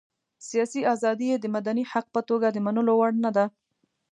سياسي ازادي یې د مدني حق په توګه د منلو وړ نه ده.